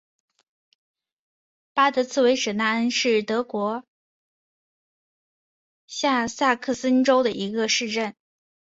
巴德茨维舍纳恩是德国下萨克森州的一个市镇。